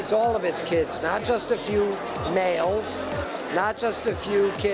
dan dunia membutuhkan semua anaknya bukan hanya beberapa anak laki laki